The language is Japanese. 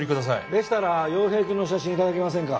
でしたら陽平くんの写真いただけませんか？